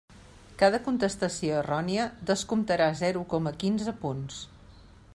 Cada contestació errònia descomptarà zero coma quinze punts.